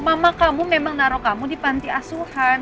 mama kamu memang naruh kamu di panti asuhan